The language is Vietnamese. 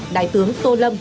đại tướng tô lâm